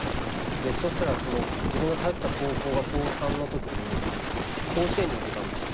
そしたら自分が通ってた高校が高３のときに甲子園に出たんですよ。